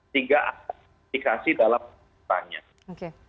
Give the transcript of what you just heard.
tiga dikasih dalam pertanyaan